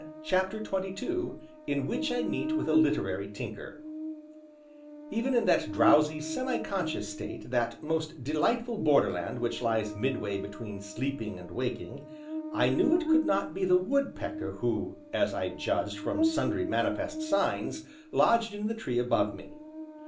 CHAPTER XXII IN WHICH I MEET WITH A LITERARY TINKER Even in that drowsy, semi conscious state, that most delightful borderland which lies midway between sleeping and waking, I knew it could not be the woodpecker who, as I judged from sundry manifest signs, lodged in the tree above me.